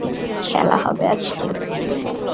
খেলা হবে আজকে।